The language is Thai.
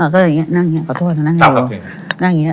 ก็นั่งอย่างนี้ขอโทษนะนั่งอย่างนี้